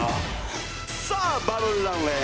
さあバブルランウェイ